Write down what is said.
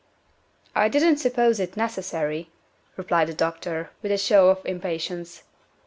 "I didn't suppose it necessary," replied the doctor, with a show of impatience.